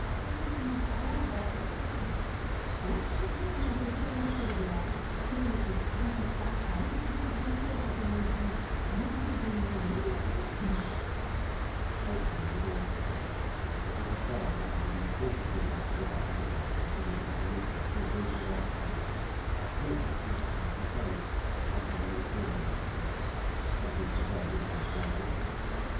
大阪市内のこちらのホテルでは、先月、宿泊した外国人観光客のうち、韓国からの旅行者とか、そういった方がまたより多く来ていただくことが、やはり希望でもありますので、影響が出れば、さらにこの日本経済も景気がさらによくなるんではないかなと。